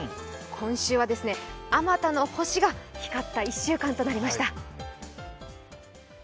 今週はあまたの星が光った１週間となりました。